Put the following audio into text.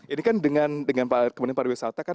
ini kan dengan pak arief kemudian pak pariwisata kan